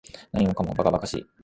何もかも馬鹿馬鹿しい